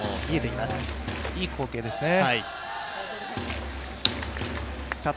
いい光景ですね。